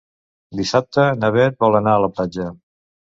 Dissabte na Beth vol anar a la platja.